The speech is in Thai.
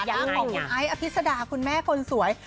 ของคุณไอ้อภิษดาคุณแม่คนสวย